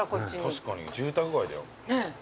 確かに住宅街だよ。ねえ。